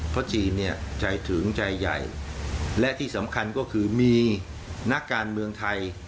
เพราะจีนเนี่ยใจถึงใจใหญ่และที่สำคัญก็คือมีนักการเมืองไทย